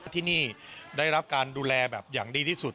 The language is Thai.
ที่นี่ได้รับการดูแลแบบอย่างดีที่สุด